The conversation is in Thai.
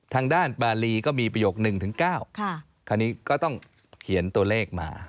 ทางด้านปารีก็มีประโยค๑๙คราวนี้ก็ต้องเขียนตัวเลขมา